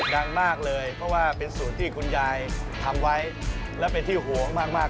ดังมากเลยเพราะว่าเป็นสูตรที่คุณยายทำไว้และเป็นที่ห่วงมาก